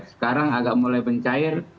sekarang agak mulai mencair